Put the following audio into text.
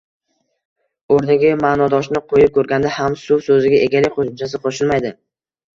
Oʻrniga maʼnodoshini qoʻyib koʻrganda ham, suv soʻziga egalik qoʻshimchasi qoʻshilmaydi